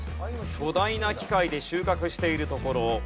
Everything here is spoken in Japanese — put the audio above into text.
巨大な機械で収穫しているところ。